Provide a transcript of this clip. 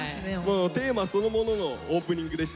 テーマそのもののオープニングでした。